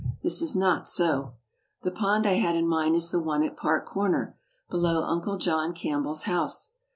This is not so. The pond I had in mind is the one at Park Comer, below Uncle John Campbell's house.